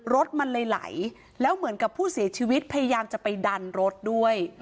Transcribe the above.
รถมันเลยไหลแล้วเหมือนกับผู้เสียชีวิตพยายามจะไปดันรถด้วย